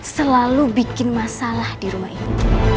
selalu bikin masalah di rumah ini